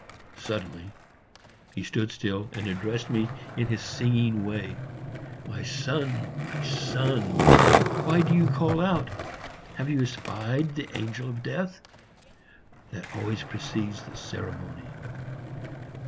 Suddenly he stood still and addressed me in his singing way, "My son! my son! why do you call out? Have you espied the angel of death? That always precedes the ceremony."